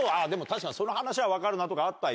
確かにその話は分かるなとかあった？